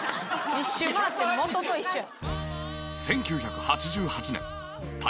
一周回って元と一緒や。